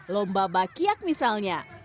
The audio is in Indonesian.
lomba bakiak misalnya